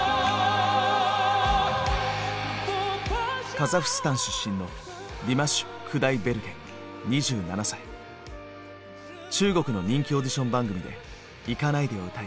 カザフスタン出身の中国の人気オーディション番組で「行かないで」を歌いブレイク。